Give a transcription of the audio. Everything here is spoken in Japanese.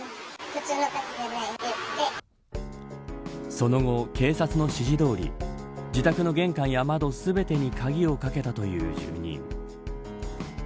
その後、警察の指示どおり自宅の玄関や窓全てに鍵をかけたという住人。